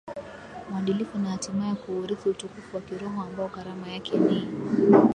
mwadilifu na hatimaye kuurithi utukufu wa kiroho ambao karama yake ni